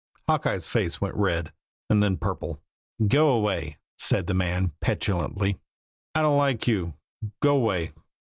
Hawkeye's face went red, and then purple. "Go 'way!" said the man petulantly. "I don't like you. Go 'way!